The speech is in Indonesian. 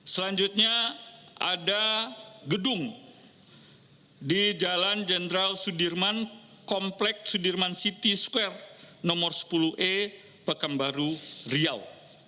selanjutnya ada gedung di jalan jenderal sudirman kompleks sudirman city square nomor sepuluh e pekambaru riau